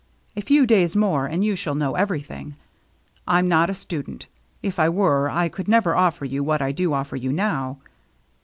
A few days more, and you shall know everything. I'm not a student. If I were, I could never offer you what I do offer you now."